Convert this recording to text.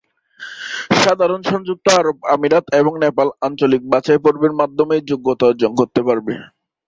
সাধারণত সংযুক্ত আরব আমিরাত এবং নেপাল আঞ্চলিক বাছাইপর্বের মাধ্যমেই যোগ্যতা অর্জন করতে পারবে।